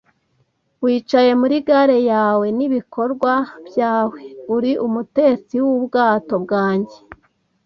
wicaye muri galle yawe. Nibikorwa byawe. Uri umutetsi w'ubwato bwanjye -